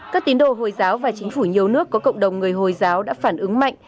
các tín đồ hồi giáo và chính phủ nhiều nước có cộng đồng người hồi giáo đã phản ứng mạnh